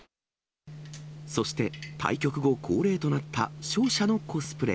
そして、対局後、恒例となった勝者のコスプレ。